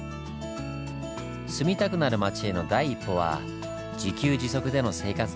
住みたくなる街への第一歩は自給自足での生活だったんです。